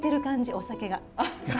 お酒が。